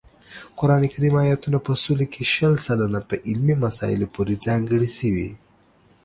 قران کریم آیاتونه په سلو کې شل سلنه په علمي مسایلو پورې ځانګړي شوي